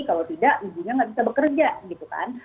kalau tidak ibunya nggak bisa bekerja gitu kan